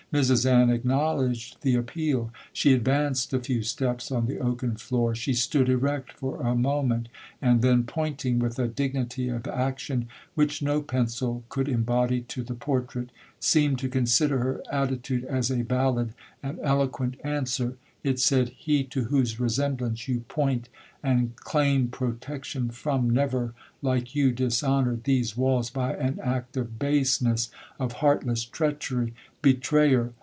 Mrs Ann acknowledged the appeal—she advanced a few steps on the oaken floor—she stood erect for a moment, and then, pointing with a dignity of action which no pencil could embody to the portrait, seemed to consider her attitude as a valid and eloquent answer—it said—he to whose resemblance you point, and claim protection from, never like you dishonoured these walls by an act of baseness—of heartless treachery! Betrayer!